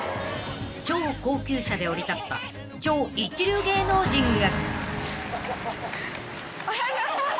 ［超高級車で降り立った超一流芸能人が］